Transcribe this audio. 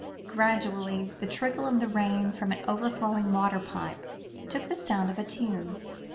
Gradually the trickle of the rain from an overflowing waterpipe took the sound of a tune.